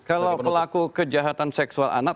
kalau pelaku kejahatan seksual anak